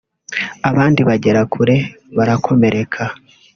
abandi bagera kuri barakomereka